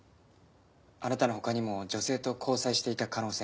あなたの他にも女性と交際していた可能性があります。